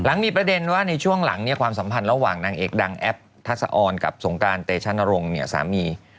มีประเด็นว่าในช่วงหลังเนี่ยความสัมพันธ์ระหว่างนางเอกดังแอปทัศออนกับสงการเตชะนรงค์เนี่ยสามี